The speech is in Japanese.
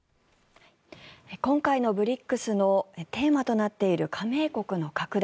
今回のＢＲＩＣＳのテーマとなっている加盟国の拡大。